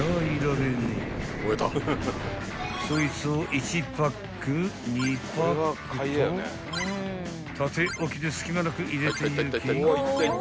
［そいつを１パック２パックと縦置きで隙間なく入れていき］